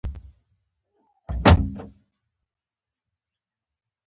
چې هر مسلمان پرې خبر دی.